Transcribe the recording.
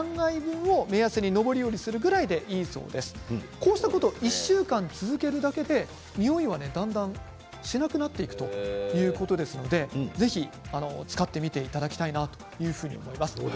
こうしたことを１週間続けるだけでにおいは、だんだんしなくなっていくということですのでぜひ使ってみていただきたいなと思います。